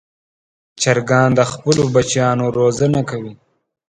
چرګان د خپلو بچیانو روزنه کوي.